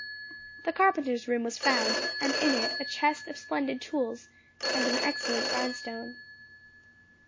The carpenter's room was found, and in it a chest of splendid tools, and an excellent grindstone.